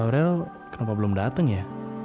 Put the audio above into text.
aurel kenapa belum dateng ya